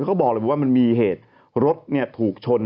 เขาบอกเลยว่ามันมีเหตุรถถูกชน